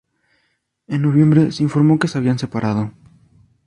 En noviembre se informó que se habían separado.